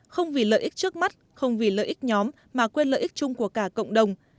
không vì lợi ích trước mắt không vì lợi ích nhóm mà quyền lợi ích chung của cả cộng đồng